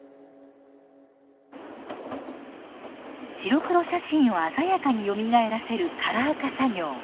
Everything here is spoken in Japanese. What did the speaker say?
白黒写真を鮮やかによみがえらせるカラー化作業。